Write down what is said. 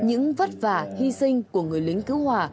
và những nguy hiểm khó khăn những vất vả hy sinh của người lính cứu hòa